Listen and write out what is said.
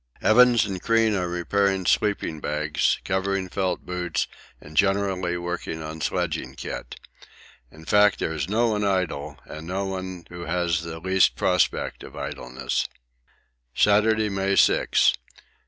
Evans and Crean are repairing sleeping bags, covering felt boots, and generally working on sledging kit. In fact there is no one idle, and no one who has the least prospect of idleness. Saturday, May 6.